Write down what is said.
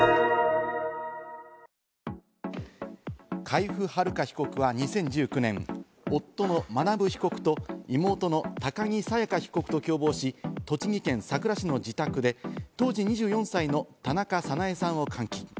海部春香被告は２０１９年、夫の学被告と妹の高木沙耶花被告と共謀し、栃木県さくら市の自宅で当時２４歳の田中早苗さんを監禁。